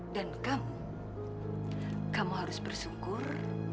dan kamu kamu harus bersyukur